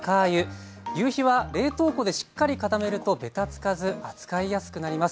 ぎゅうひは冷凍庫でしっかり固めるとべたつかず扱いやすくなります。